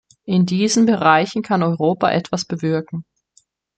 In diesen Bereichen kann Europa etwas bewirken.